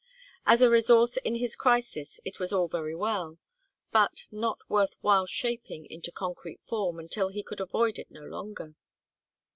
As a resource in his crisis it was all very well, but not worth while shaping into concrete form until he could avoid it no longer.